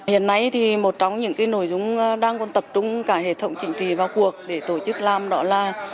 hiện nay thì một trong những nội dung đang còn tập trung cả hệ thống chính trị vào cuộc để tổ chức làm đó là